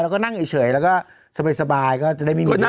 เราก็นั่งเฉยแล้วก็สบายก็จะได้มีมีนิดหนึ่ง